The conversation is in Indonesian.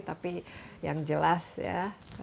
tapi yang jelas ya